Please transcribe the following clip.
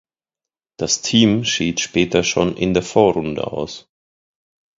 Das Team schied später schon in der Vorrunde aus.